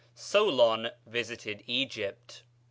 Solon visited Egypt.